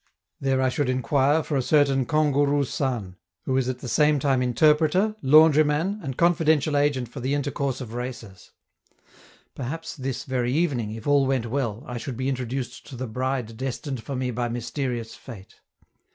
There I should inquire for a certain Kangourou San, who is at the same time interpreter, laundryman, and confidential agent for the intercourse of races. Perhaps this very evening, if all went well, I should be introduced to the bride destined for me by mysterious fate.